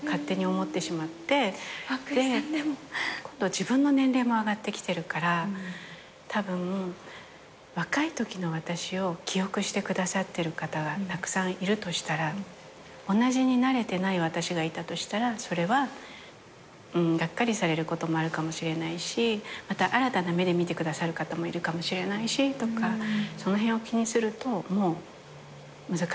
自分の年齢も上がってきてるからたぶん若いときの私を記憶してくださってる方がたくさんいるとしたら同じになれてない私がいたとしたらそれはがっかりされることもあるかもしれないしまた新たな目で見てくださる方もいるかもしれないしとかその辺を気にすると難しいこともあるし。